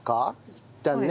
いったんね。